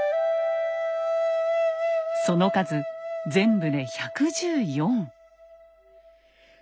その数全部で１１４。